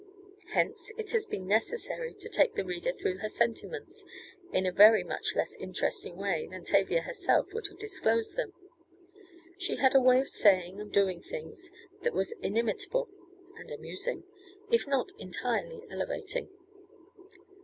Hence it has been necessary to take the reader through her sentiments in a very much less interesting way than Tavia herself would have disclosed them. She had a way of saying and doing things that was inimitable, and amusing, if not entirely elevating.